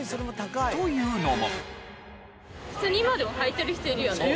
というのも。